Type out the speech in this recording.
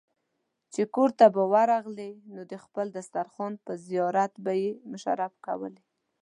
چې کورته به ورغلې نو د خپل دسترخوان په زيارت به يې مشرف کولې.